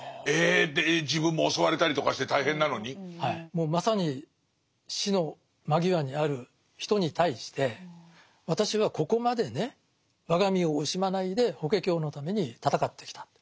もうまさに死の間際にある人に対して私はここまでね我が身を惜しまないで「法華経」のために闘ってきた。